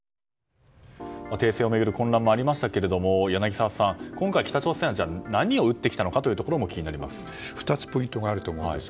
訂正を巡る混乱もありましたけれども柳澤さん、今回北朝鮮は何を撃ってきたのかも２つポイントがあると思います。